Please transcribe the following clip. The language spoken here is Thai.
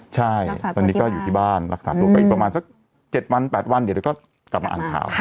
ใช่ตอนนี้ก็อยู่ที่บ้านรักษาตัวไปอีกประมาณสัก๗วัน๘วันเดี๋ยวก็กลับมาอ่านข่าว